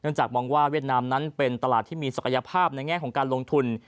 จากมองว่าเวียดนามนั้นเป็นตลาดที่มีศักยภาพในแง่ของการลงทุน